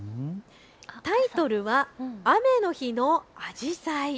タイトルは雨の日のあじさい。